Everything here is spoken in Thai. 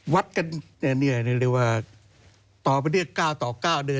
วัดกันเรียกว่าต่อไปเรียก๙ต่อ๙เดือน